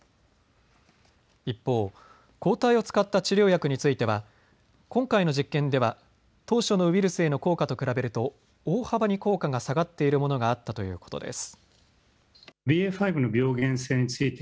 一方、抗体を使った治療薬については今回の実験では当初のウイルスへの効果と比べると大幅に効果が下がっているものがあったということです。